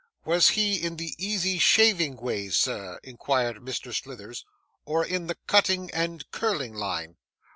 'Was he in the easy shaving way, sir,' inquired Mr. Slithers; 'or in the cutting and curling line?